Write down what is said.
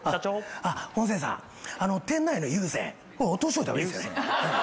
あっ音声さん店内の有線落としといた方がいいですよね？